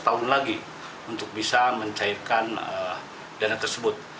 lima tahun lagi untuk bisa mencairkan dana tersebut